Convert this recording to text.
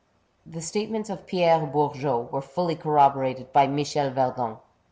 The statements of Pierre Bourgot were fully corro borated by Michel Verdung.